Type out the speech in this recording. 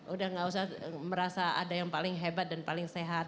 udah gak usah merasa ada yang paling hebat dan paling sehat